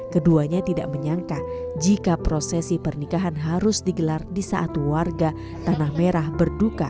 keduanya tidak menyangka jika prosesi pernikahan harus digelar di saat warga tanah merah berduka